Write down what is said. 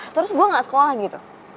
terus gue gak sekolah gitu